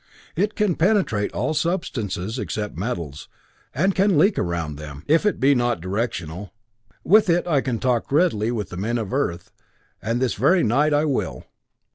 It can penetrate all substances except metals, and can leak around them, if it be not directional. With it I can talk readily with the men of Earth, and this very night I will."